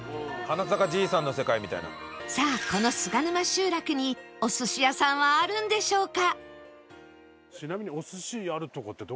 さあこの菅沼集落にお寿司屋さんはあるんでしょうか？